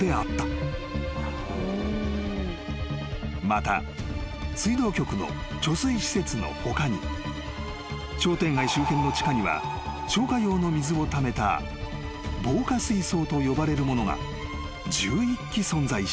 ［また水道局の貯水施設の他に商店街周辺の地下には消火用の水をためた防火水槽と呼ばれるものが１１基存在していた］